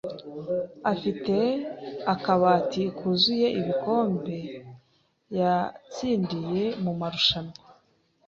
afite akabati kuzuye ibikombe yatsindiye mumarushanwa.